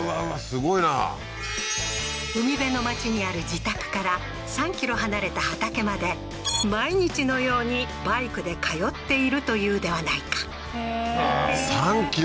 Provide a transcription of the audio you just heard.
すごいな海辺の町にある自宅から３ｋｍ離れた畑まで毎日のようにバイクで通っているというではないかへえー３ｋｍ？